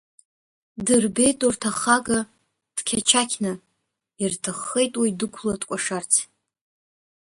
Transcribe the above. Дырбеит урҭ ахага дқьачақьны, ирҭаххеит уи дықәла дкәашарц.